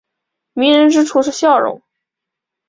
迷人之处是笑容。